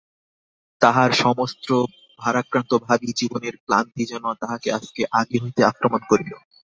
তাহার সমস্ত ভারাক্রান্ত ভাবী জীবনের ক্লান্তি যেন তাহাকে আজ আগে হইতে আক্রমণ করিল।